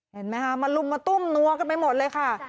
เห็นไหมคะมาลุมมาตุ้มนัวกันไปหมดเลยค่ะ